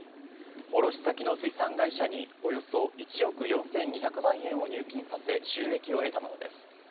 卸先の水産会社におよそ１億４２００万円を入金させ、収益を得たものです。